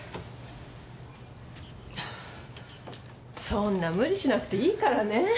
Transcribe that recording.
そんな無理しなくていいからね。